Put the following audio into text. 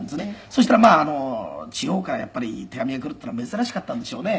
「そしたら地方からやっぱり手紙が来るっていうのは珍しかったんでしょうね」